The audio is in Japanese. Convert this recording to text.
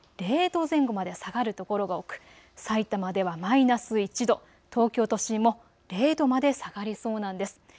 ０度前後まで下がるところが多くさいたまではマイナス１度、東京都心も０度まで下がりそうなんです。